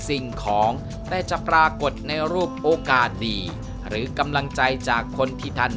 สิ่งของได้จะปรากฏในรูปโอกาสดีหรือกำลังใจจากคนที่ท่าน